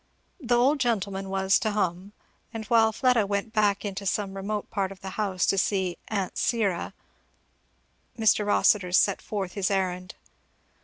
The old gentleman was "to hum;" and while Fleda went back into some remote part of the house to see "aunt Syra," Mr. Rossitur set forth his errand.